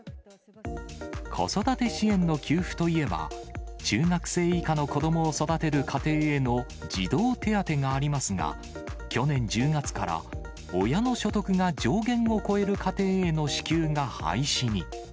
子育て支援の給付といえば、中学生以下の子どもを育てる家庭への児童手当がありますが、去年１０月から、親の所得が上限を超える家庭への支給が廃止に。